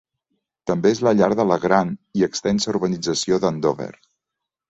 També és la llar de la gran i extensa urbanització d'Andover.